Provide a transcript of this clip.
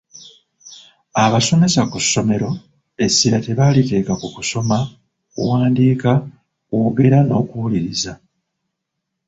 Abasomesa ku ssomero essira tebaliteeka ku kusoma, kuwandiika, kwogera n'okuwuliriza.